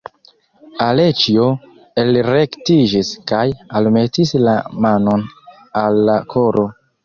Aleĉjo elrektiĝis kaj almetis la manon al la koro.